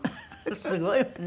すごいわね。